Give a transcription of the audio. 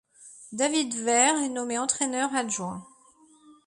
David Weir est nommé entraîneur adjoint.